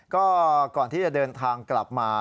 ก็ก่อนที่จะเดินทางกลับมา